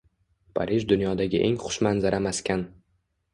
Parij dunyodagi eng xushmanzara maskan